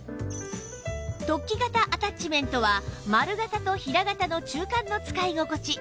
突起型アタッチメントは丸型と平型の中間の使い心地